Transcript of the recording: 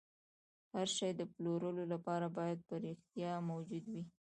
هر شی د پلورلو لپاره باید په رښتیا موجود وي